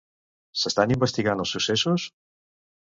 S'estan investigant els successos?